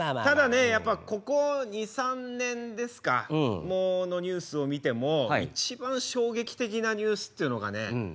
ただねやっぱここ２３年ですかのニュースを見ても一番衝撃的なニュースっていうのがね